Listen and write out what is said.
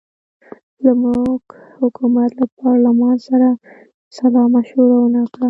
زموږ حکومت له پارلمان سره سلامشوره ونه کړه.